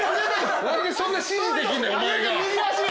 何でそんな指示できんだお前が。